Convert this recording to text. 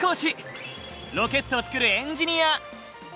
ロケットを造るエンジニア。